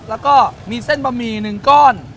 แล้วก็มีเส้นบะหมี่๑ก้อน